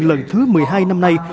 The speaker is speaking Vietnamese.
lần thứ một mươi hai năm nay